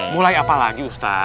mulai apa lagi ustadz